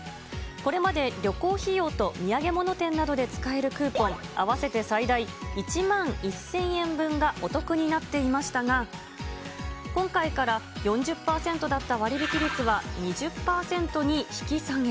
これまで旅行費用と土産物店などで使えるクーポン合わせて最大１万１０００円分がお得になっていましたが、今回から４０％だった割引率は２０％に引き下げ。